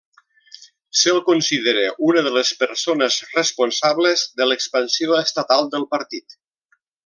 Se'l considera una de les persones responsables de l'expansió estatal del partit.